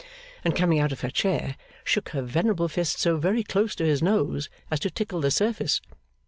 and, coming out of her chair, shook her venerable fist so very close to his nose as to tickle the surface.